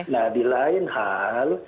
nah di lain hal